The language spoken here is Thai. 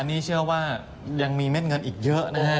อันนี้เชื่อว่ายังมีเม็ดเงินอีกเยอะนะฮะ